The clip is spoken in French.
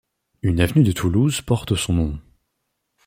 Une avenue de Toulouse porte son nom.